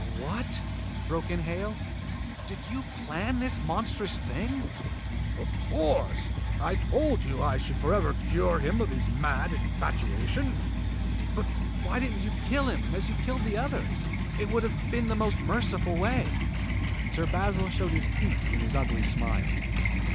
"What!" broke in Hale. "Did you plan this monstrous thing?" "Of course! I told you I should forever cure him of his mad infatuation." "But why didn't you kill him, as you killed the others? It would have been the most merciful way." Sir Basil showed his teeth in his ugly smile.